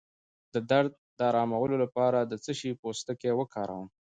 د درد د ارامولو لپاره د څه شي پوستکی وکاروم؟